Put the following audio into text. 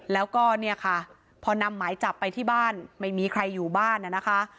แล้วก็เนี่ยค่ะพอนำหมายจับไปที่บ้านไม่มีใครอยู่บ้านนะคะ